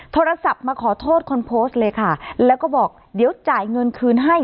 โทรศัพท์มาขอโทษคนโพสต์เลยค่ะแล้วก็บอกเดี๋ยวจ่ายเงินคืนให้